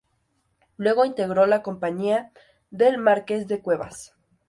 Luego integró la compañía del Marques de Cuevas.